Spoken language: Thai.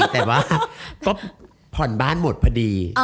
แต่ว่าก็ผ่อนบ้านหมดพอดี